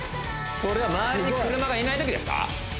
それは周りに車がいないときですか